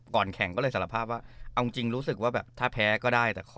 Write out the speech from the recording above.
ก่อนแข่งก็เลยสารภาพว่าเอาจริงรู้สึกว่าแบบถ้าแพ้ก็ได้แต่ขอ